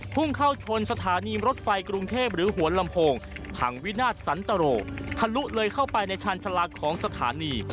พุ่งเข้าชนสถานีรถไฟกรุงเทพหรือหัวลำโพงผังวินาศสันตโรทะลุเลยเข้าไปในชาญชาลาของสถานี